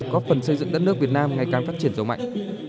góp phần xây dựng đất nước việt nam ngày càng phát triển giàu mạnh